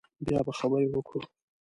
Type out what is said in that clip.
بیا به خبرې وکړو